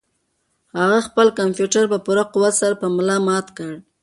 هغه خپل کمپیوټر په پوره قوت سره په ملا مات کړ.